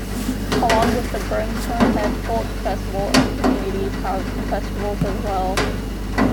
Along with the Brimstone Head Folk Festival, other communities have festivals as well.